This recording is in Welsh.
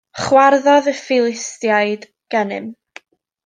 Chwarddodd y Philistiaid gennym.